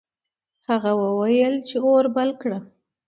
هغه وویل چې اور بل کړه.